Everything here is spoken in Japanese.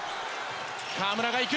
河村が行く！